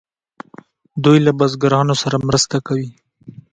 دوی له بزګرانو سره مرسته کوي.